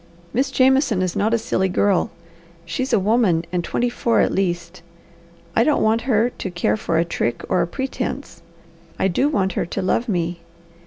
Miss Jameson is not a silly girl. She's a woman, and twenty four at least. I don't want her to care for a trick or a pretence. I do want her to love me.